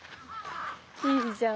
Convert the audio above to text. いいじゃん。